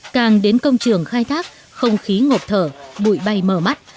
càng đến công trường khai thác không khí ngộp thở bụi bay mở mắt